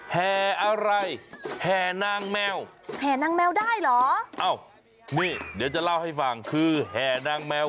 แหอะไรแหนางแมว